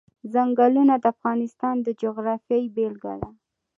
ځنګلونه د افغانستان د جغرافیې بېلګه ده.